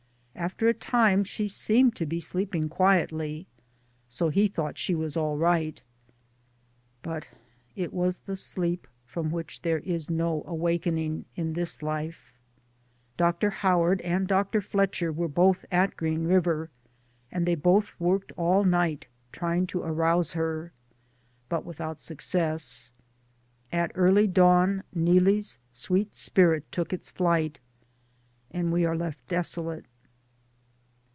After a time she seemed to be sleeping quietly, so he thought she was all right. But it was the sleep from which there is no waking in thi§ life. Dr. Howard and Dr. Fletcher were both at Green River, and they both worked all night trying to arouse her, but without suc cess. At early dawn Neelie' s sweet spirit took its flight, and we are left desolate.